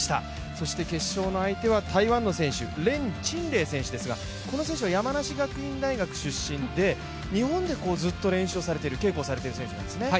そして決勝の相手は台湾の選手、連珍羚選手ですがこの選手は山梨学院大学出身で日本でずっと稽古をされている選手なんですね。